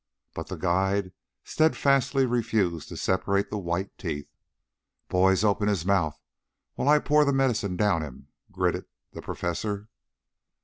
But the guide steadfastly refused to separate the white teeth. "Boys, open his mouth while I pour the medicine down him," gritted the Professor.